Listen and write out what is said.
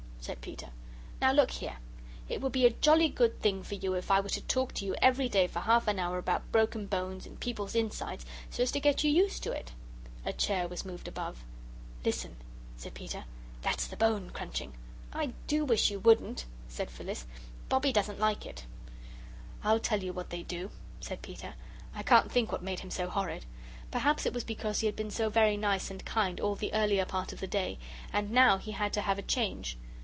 said Peter. "Now look here. It would be a jolly good thing for you if I were to talk to you every day for half an hour about broken bones and people's insides, so as to get you used to it." A chair was moved above. "Listen," said Peter, "that's the bone crunching." "I do wish you wouldn't," said Phyllis. "Bobbie doesn't like it." "I'll tell you what they do," said Peter. I can't think what made him so horrid. Perhaps it was because he had been so very nice and kind all the earlier part of the day, and now he had to have a change.